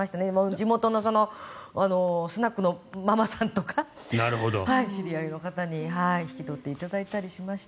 地元のスナックのママさんとか知り合いの方に引き取っていただいたりしました。